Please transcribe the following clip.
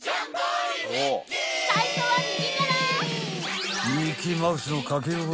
最初は右から！